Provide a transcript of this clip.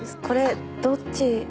これどっち。